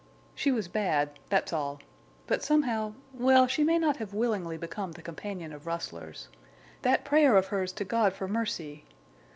She was bad—that's all. But somehow... well, she may not have willingly become the companion of rustlers. That prayer of hers to God for mercy!...